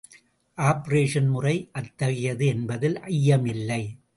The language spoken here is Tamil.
ஆப்பரேஷன் முறை அத்தகையது என்பதில் ஐயமில்லை.